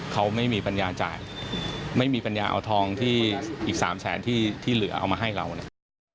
เขาไม่มีปัญญาจ่ายไม่มีปัญญาเอาทองที่อีก๓แสนที่เหลือเอามาให้เรานะครับ